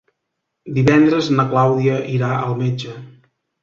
Divendres na Clàudia irà al metge.